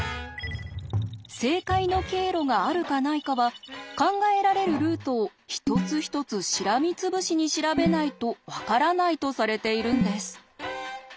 正解の経路があるかないかは考えられるルートを一つ一つしらみつぶしに調べないと分からないとされているんです。